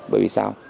bởi vì sao